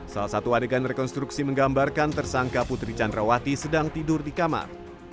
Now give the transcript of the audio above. salah satu adegan rekonstruksi menggambarkan tersangka putri candrawati sedang tidur di kamar